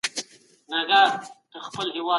افغان ماشومان د ډیموکراتیکي رایې ورکولو حق نه لري.